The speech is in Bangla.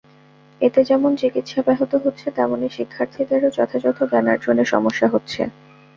এতে যেমন চিকিৎসা ব্যাহত হচ্ছে, তেমনি শিক্ষার্থীদেরও যথাযথ জ্ঞানার্জনে সমস্যা হচ্ছে।